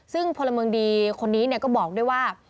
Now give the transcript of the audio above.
ซึ่งพลเมืองดีคนนี้ก็บอกด้วยว่า